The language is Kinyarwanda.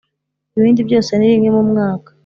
ibindi byose ni rimwe mu mwaka